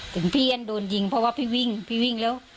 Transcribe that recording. ถึงพี่ยังโดนยิงเพราะว่าพี่วิ่งพี่วิ่งแล้ว